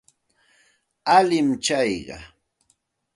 Alin tsayqa.